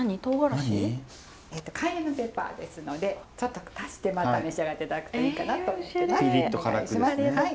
カイエンペッパーですのでちょっと足してまた召し上がっていただくといいかなと思ってます。